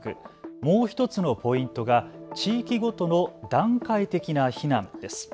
もう１つのポイントが地域ごとの段階的な避難です。